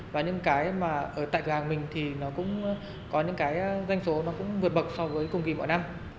và những cái mà ở tại hàng mình thì nó cũng có những danh số vượt bậc so với cùng kỳ mỗi năm